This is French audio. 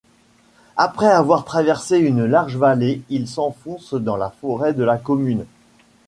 Après avoir traversé une large vallée il s'enfonce dans la forêt de la commune.